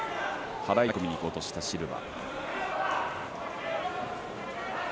払い巻き込みにいこうとしたシルバ。